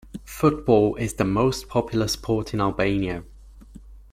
Football is the most popular sport in Albania.